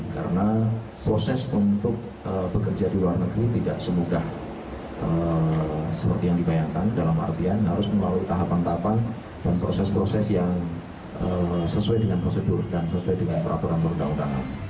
karena proses untuk bekerja di luar negeri tidak semudah seperti yang dibayangkan dalam artian harus melalui tahapan tahapan dan proses proses yang sesuai dengan prosedur dan sesuai dengan peraturan undang undang